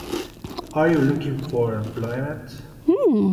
Are you looking for employment?